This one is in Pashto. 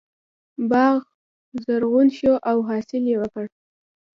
باغ زرغون شو او حاصل یې ورکړ.